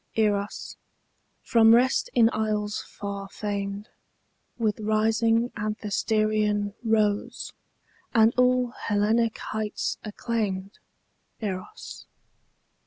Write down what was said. EROS, from rest in isles far famed, With rising Anthesterion rose, And all Hellenic heights acclaimed Eros.